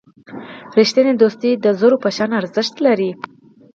رښتینی دوستي د زرو په شان ارزښت لري.